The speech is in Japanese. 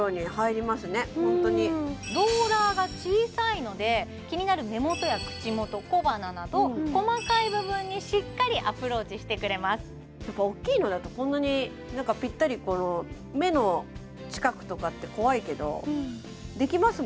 ローラーが小さいので気になる目元や口元小鼻など細かい部分にしっかりアプローチしてくれますやっぱ大きいのだとこんなにぴったりこの目の近くとかって怖いけどできます